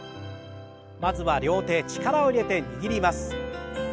まずは両手力を入れて握ります。